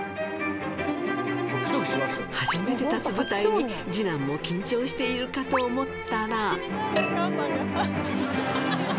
初めて立つ舞台に二男も緊張しているかと思ったら